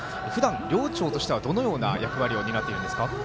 寮長として、どんな役割を担っているんですか？